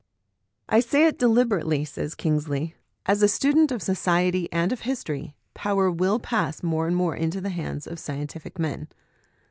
" I say it deliberately," says Kingsley, " as a student of society and of history : power will pass more and more into the hands of scientific men.